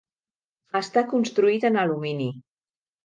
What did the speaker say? Està construït en alumini.